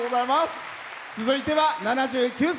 続いては、７９歳！